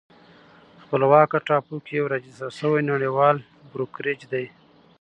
خپلواکه ټاپو کې یو راجستر شوی نړیوال بروکریج دی